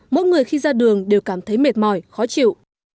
mỗi người khi ra đường đều cảm thấy mệt mỏi khó chịu